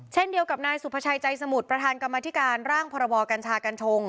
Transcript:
เช่นเดียวกับนายสุภาชัยใจสมุทรประธานกรรมธิการร่างพรบกัญชากัญชง